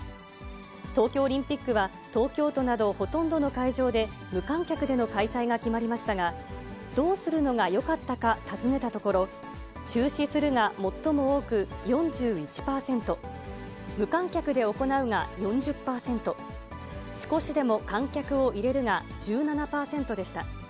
東京オリンピックは、東京都などほとんどの会場で無観客での開催が決まりましたが、どうするのがよかったか尋ねたところ、中止するが最も多く４１％、無観客で行うが４０％、少しでも観客を入れるが１７％でした。